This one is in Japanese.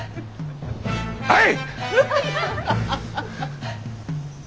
はい！